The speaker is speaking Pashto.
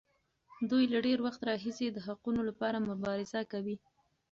دوی له ډېر وخت راهیسې د حقونو لپاره مبارزه کوي.